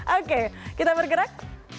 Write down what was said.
oke kita bergerak